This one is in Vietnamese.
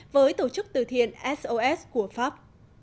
với tổ chức từ thiện sos của pháp